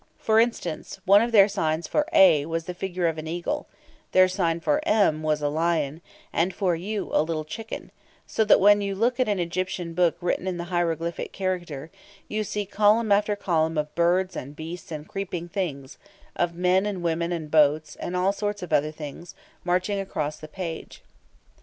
For instance, one of their signs for a was the figure of an eagle; their sign for m was a lion, and for u a little chicken; so that when you look at an Egyptian book written in the hieroglyphic character, you see column after column of birds and beasts and creeping things, of men and women and boats, and all sorts of other things, marching across the page.